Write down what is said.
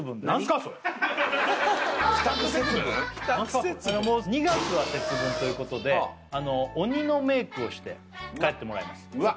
何すかそれ２月は節分ということで鬼のメイクをして帰ってもらいます